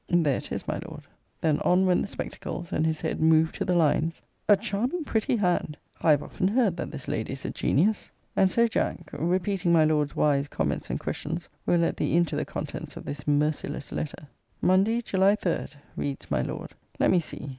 There it is, my Lord. Then on went the spectacles, and his head moved to the lines a charming pretty hand! I have often heard that this lady is a genius. And so, Jack, repeating my Lord's wise comments and questions will let thee into the contents of this merciless letter. 'Monday, July 3,' [reads my Lord.] Let me see!